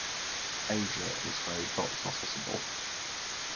Aja is very box-officeable.